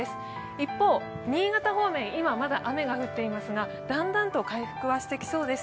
一方、新潟方面、今はまだ雨が降っていますが、だんだんと回復はしていきそうです。